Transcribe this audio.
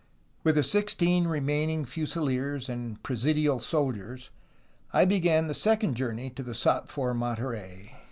"With the sixteen remaining fusiliers and presidial soldiers, I began the second journey to the sought for Monterey.